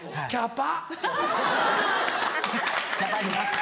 キャッパ。